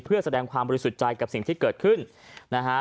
เพื่อแสดงความบริสุทธิ์ใจกับสิ่งที่เกิดขึ้นนะฮะ